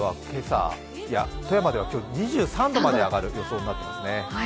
富山では今日、２３度まで上がる予想になっていますね。